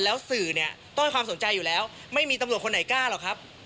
แล้วสื่อเนี่ยต้องให้ความสนใจอยู่แล้วไม่มีตำรวจคนไหนกล้าหรอกครับ